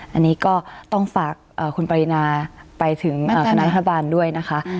อันนี้ก็ต้องฝากคุณปรินาไปถึงคณะรัฐบาลด้วยนะคะ